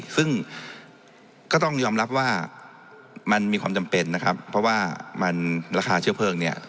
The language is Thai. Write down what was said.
ซึ่งก็ต้องยอมรับว่ามันมีความจำเป็นนะครับเพราะว่ามันราคาเชื้อเพลิงเนี่ย